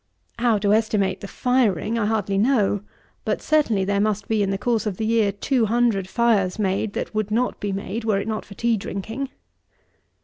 How to estimate the firing I hardly know; but certainly there must be in the course of the year, two hundred fires made that would not be made, were it not for tea drinking.